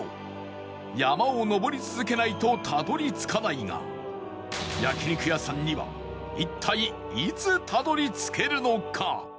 山を登り続けないとたどり着かないが焼肉屋さんには一体いつたどり着けるのか？